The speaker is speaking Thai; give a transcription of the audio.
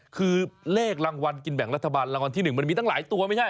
คือเลขรางวัลกินแบ่งรัฐบาลรางวัลที่๑มันมีตั้งหลายตัวไม่ใช่